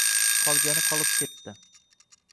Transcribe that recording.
qolgani qolib ketdi.